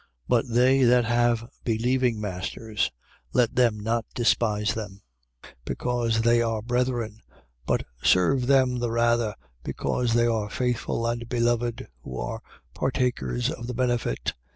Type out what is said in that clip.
6:2. But they that have believing masters, let them not despise them, because they are brethren; but serve them the rather, because they are faithful and beloved, who are partakers of the benefit.